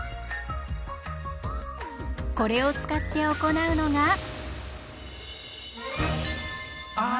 これを使って行うのが。